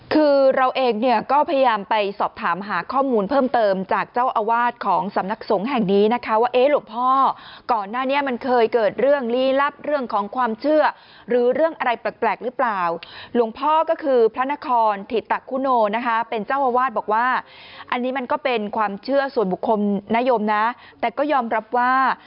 คือเราเองเนี่ยก็พยายามไปสอบถามหาข้อมูลเพิ่มเติมจากเจ้าอาวาสของสำนักสงฆ์แห่งนี้นะคะว่าเอ๊ะหลวงพ่อก่อนหน้านี้มันเคยเกิดเรื่องลี้ลับเรื่องของความเชื่อหรือเรื่องอะไรแปลกหรือเปล่าหลวงพ่อก็คือพระนครถิตคุโนนะคะเป็นเจ้าอาวาสบอกว่าอันนี้มันก็เป็นความเชื่อส่วนบุคคลนโยมนะแต่ก็ยอมรับว่า